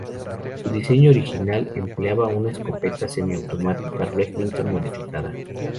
Su diseño original empleaba una escopeta semiautomática Remington modificada.